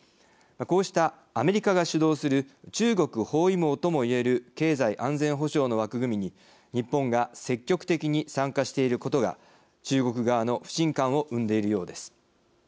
こうしたアメリカが主導する中国包囲網ともいえる経済安全保障の枠組みに日本が積極的に参加していることが中国側の不信感を生んでいるようです。